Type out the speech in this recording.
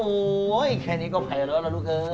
โอ้โหแช่นเนี่ยก็ไปแล้วนะลูกค้อ